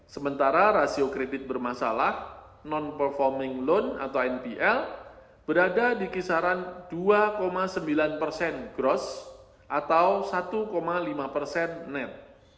sementara rasio kredit bermasalah non performing loan atau npl berada di kisaran dua sembilan persen gross atau satu lima persen net